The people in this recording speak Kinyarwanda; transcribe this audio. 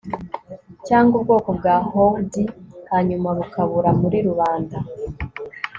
cyangwa ubwoko bwa howdy hanyuma bukabura muri rubanda